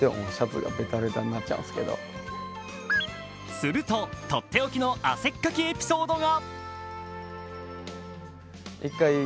すると、とっておきの汗っかきエピソードが。